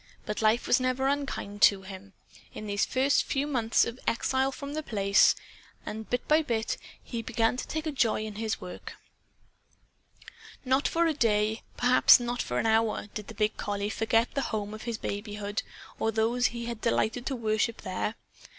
But life was never unkind to him, in these first months of exile from The Place. And, bit by bit, he began to take a joy in his work. Not for a day, perhaps not for an hour, did the big collie forget the home of his babyhood or those he had delighted to worship, there.